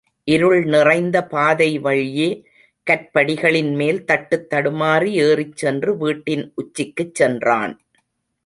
இருள் நிறைந்த பாதை வழியே, கற்படிகளின்மேல் தட்டுத் தடுமாறி ஏறிச் சென்று, வீட்டின் உச்சிக்குச் சென்றான்.